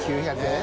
９００円？